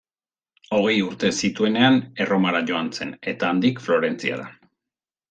Hogei urte zituenean Erromara joan zen, eta handik Florentziara.